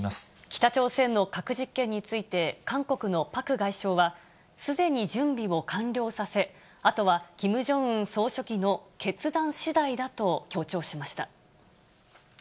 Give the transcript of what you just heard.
北朝鮮の核実験について、韓国のパク外相は、すでに準備を完了させ、あとはキム・ジョンウン総書記の決断しだいだと強調しました。